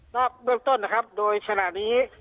แล้วเริ่มต้นนะครับโดยฉลาดนี้